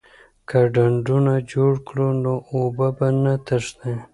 که ډنډونه جوړ کړو نو اوبه نه تښتي.